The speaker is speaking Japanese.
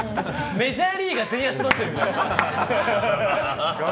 メジャーリーガー全員集まっているみたいな。